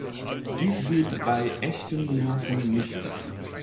Dies geht bei „echten“ Nerven nicht.